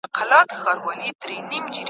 زه په پښتو ژبي کي وينا کوم.